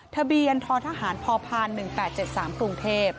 ทะเบียนททหารพพ๑๘๗๓กรุงเทพฯ